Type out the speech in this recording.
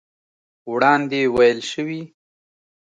وړاندې ويل شوي